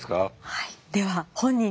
はい。